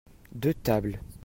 deux tables.